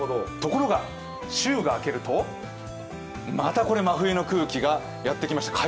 ところが週が明けるとまたこれ真冬の空気がやってきます。